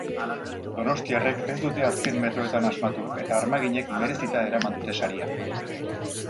Donostiarrek ez dute azken metroetan asmatu eta armaginek merezita eraman dute saria.